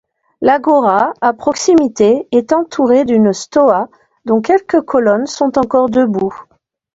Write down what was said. L'agora, à proximité, est entourée d'une stoa dont quelques colonnes sont encore debout.